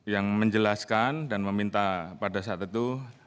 yang menjelaskan dan meminta pada saat itu